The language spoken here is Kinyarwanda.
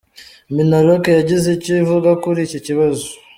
Minaloc yagize icyo ivuga kuri iki kibazo.